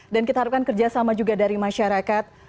dan kita harapkan kerjasama juga dari masyarakat